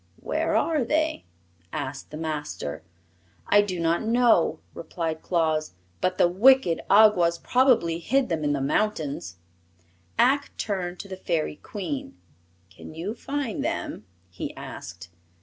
"Where are they?" asked the Master. "I do not know," replied Claus, "but the wicked Awgwas probably hid them in the mountains." Ak turned to the Fairy Queen. "Can you find them?" he asked.